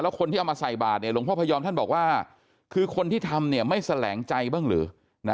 คนที่เอามาใส่บาทหลวงพ่อพยอมท่านบอกว่าคือคนที่ทำไม่แสลงใจบ้างหรือ